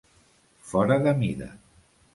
Fora de mida.